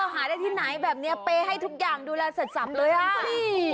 หาได้ที่ไหนแบบนี้เป้ให้ทุกอย่างดูแลเสร็จสับเลยอ่ะ